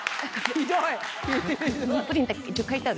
ひどい。